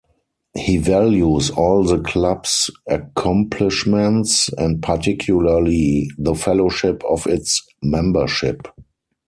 He values all the club's accomplishments and particularly the fellowship of its membership.